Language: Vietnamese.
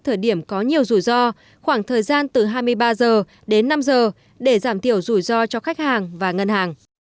thời điểm có nhiều rủi ro khoảng thời gian từ hai mươi ba h đến năm giờ để giảm thiểu rủi ro cho khách hàng và ngân hàng